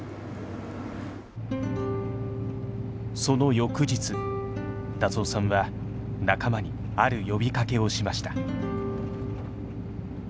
その翌日辰雄さんは仲間にある呼びかけをしました。